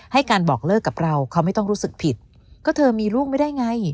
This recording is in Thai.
ให้การบอกเลิกกับเราเขาไม่ต้องรู้สึกผิดก็เธอมีลูกไม่ได้ไง